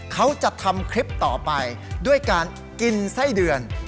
เขาจะทำคลิปต่อไปด้วยการกินไส้เดือน